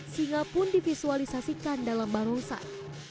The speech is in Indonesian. singa pun divisualisasikan dalam barongsai